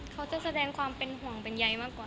เขาจะแสดงความเป็นห่วงเป็นใยมากกว่า